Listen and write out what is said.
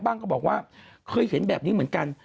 ก็บอกว่าเคยเห็นแบบนี้เหมือนกัน